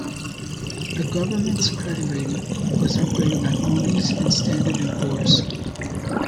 The government's credit rating was upgraded by Moody's and Standard and Poor's.